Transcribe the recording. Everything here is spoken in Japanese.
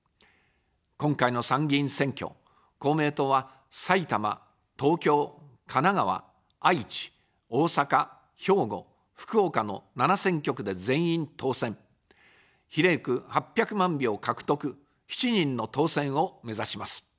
今回の参議院選挙、公明党は、埼玉・東京・神奈川・愛知・大阪・兵庫・福岡の７選挙区で全員当選、比例区８００万票獲得、７人の当選をめざします。